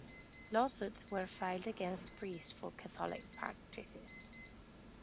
Lawsuits were filed against priests for Catholic practices.